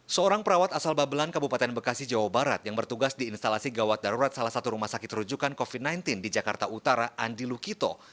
seorang perawat asal babelan kabupaten bekasi jawa barat yang bertugas di instalasi gawat darurat salah satu rumah sakit rujukan covid sembilan belas di jakarta utara andi lukito